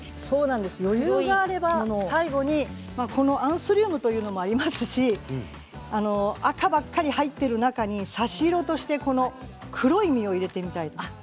余裕があれば最後にアンスリウムというのもありますし赤ばかり入っている中に差し色として黒い実を入れていきたいと思います。